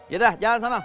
ya udah jalan sana